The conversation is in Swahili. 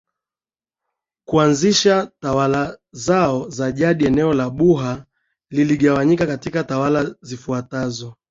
Kuanzisha tawala zao za jadi eneo la buha liligawanyika katika tawala zifuatazo